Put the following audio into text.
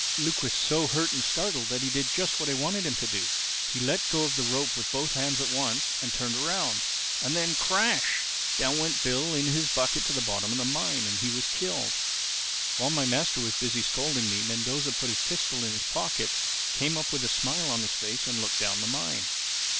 Luke was so hurt and startled that he did just what I wanted him to do: he let go the rope with both hands at once and turned round. And then, Crash! down went Bill in his bucket to the bottom of the mine and he was killed. "While my master was busy scolding me Mendoza put his pistol in his pocket, came up with a smile on his face and looked down the mine.